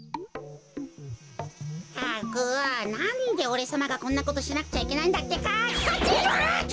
ったくなんでおれさまがこんなことしなくちゃいけないんだってか？ハチ！あっと！